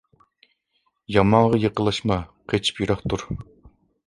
يامانغا يېقىنلاشما قېچىپ يىراق تۇر.